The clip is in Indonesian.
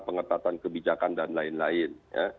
pengetatan kebijakan dan lain lain